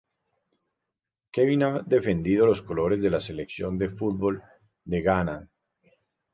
Kevin ha defendido los colores de la selección de fútbol de Ghana.